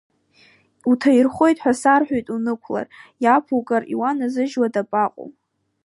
Уҭаирхоит ҳәа сарҳәеит унықәлар, иаԥугар иуаназыжьуа дабаҟоу!